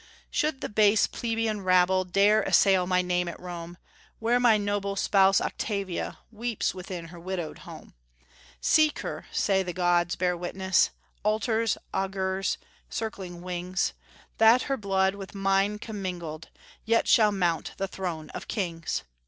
Should the base plebeian rabble Dare assail my name at Rome, Where my noble spouse Octavia Weeps within her widow'd home, Seek her; say the gods bear witness Altars, augurs, circling wings That her blood, with mine commingled, Yet shall mount the throne of kings.